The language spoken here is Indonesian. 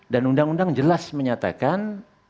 dan undang undang jelas menyatakan